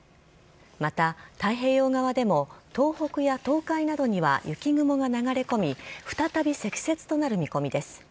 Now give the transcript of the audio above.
また、太平洋側でも東北や東海などには雪雲が流れ込み、再び積雪となる見込みです。